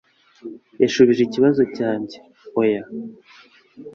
Yashubije ikibazo cyanjye "oya."